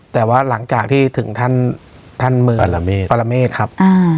แต่ว่าหลังจากที่ถึงท่านท่านปรเมฆครับ